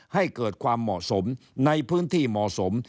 ให้เกิดความเหมาะสมในพื้นที่เหมาะสม